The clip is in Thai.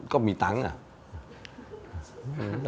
ก็มีตังค์อ่ะ